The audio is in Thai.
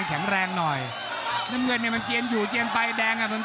น้ำเงินต้อยหลอดนะ